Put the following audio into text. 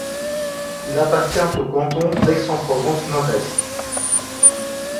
Il appartient au canton d'Aix-en-Provence-Nord-Est.